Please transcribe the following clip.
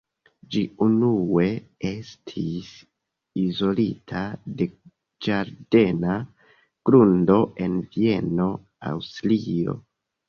Ĝi unue estis izolita de ĝardena grundo en Vieno, Aŭstrio.